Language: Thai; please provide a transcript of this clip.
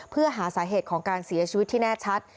เพื่อหาสาเหตุของการเสียชีวิตที่แน่ชัด